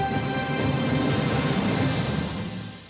hẹn gặp lại